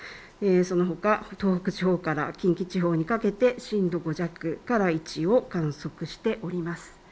そのほか東北地方から近畿地方にかけて震度５弱から１を観測しております。